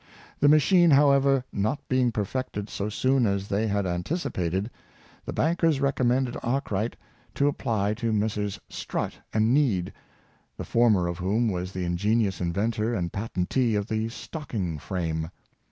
The machine, however, not being perfected so soon as they had an ticipated, the bankers recommended Arkwright to ap ply to Messrs. Strutt and Need, the former of whom was the ingenious inventor and patentee of the stocking frame.